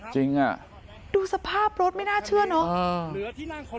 จริงอ่ะดูสภาพรถไม่น่าเชื่อเนอะ